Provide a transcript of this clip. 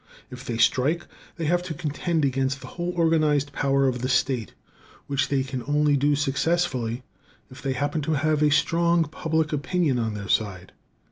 If they strike, they have to contend against the whole organized power of the state, which they can only do successfully if they happen to have a strong public opinion on their side.